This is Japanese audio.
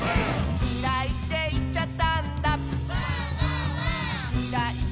「きらいっていっちゃったんだ」